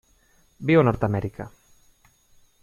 Viu a Nord-amèrica.